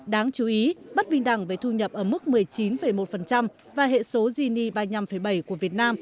đáng chú ý bất bình đẳng về thu nhập ở mức một mươi chín một và hệ số zini ba mươi năm bảy của việt nam